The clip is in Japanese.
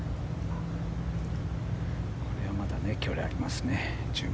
これはまだ距離がありますね。